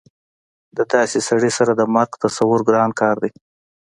د داسې سړي سره د مرګ تصور ګران کار دی